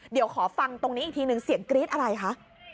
เดี๋ยวขอฟังตรงนี้อีกทีหนึ่งเสียงกรี๊ดอะไรคะ